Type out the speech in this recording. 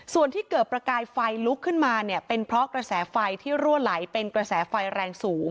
ส่วนที่เกิดประกายไฟลุกขึ้นมาเนี่ยเป็นเพราะกระแสไฟที่รั่วไหลเป็นกระแสไฟแรงสูง